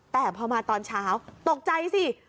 แต่พอมาตอนเช้าตกใจสิ